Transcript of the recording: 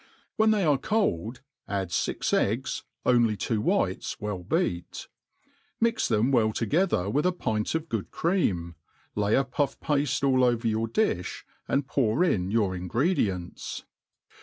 When they are cold, add fix eggs, only ^ wo whites well beat; mix them well togethei' with a pint of good cream, lay si pufF pafte all over your difb, and pour in your ingredients.